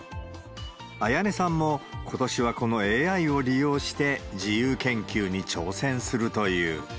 礼音さんもことしはこのＡＩを利用して、自由研究に挑戦するという。